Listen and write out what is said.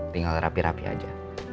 tinggal rapi rapi aja